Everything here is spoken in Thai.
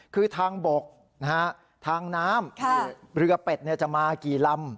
คือทางบกทางน้ำเรือเป็ดจะมากี่ลำ